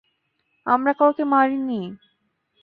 আমরা কাউকে মারি নি।